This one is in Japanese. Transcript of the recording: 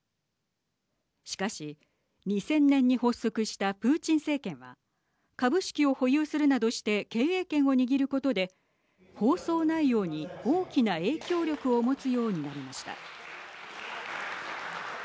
しかし、２０００年に発足したプーチン政権は株式を保有するなどして経営権を握ることで放送内容に大きな影響力を持つようになりました。